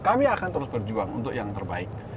kami akan terus berjuang untuk yang terbaik